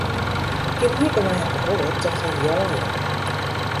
Gjin hier by my op 'e holle tocht oan jeien.